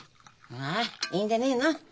まあいいんでねえの。